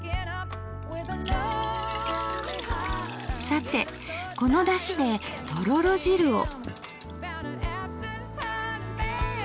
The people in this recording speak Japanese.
さてこのだしでとろろ汁を。